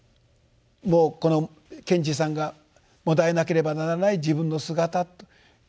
もうこの賢治さんがもだえなければならない自分の姿というものを書く。